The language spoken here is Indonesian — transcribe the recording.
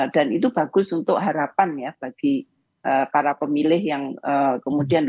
dan itu bagus untuk harapan ya bagi para pemilih yang kemudian